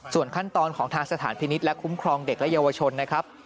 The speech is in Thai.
ส่วนขั้นตอนของทางสถานพินิษฐ์และคุ้มครองเด็กและเยาวชนนะครับ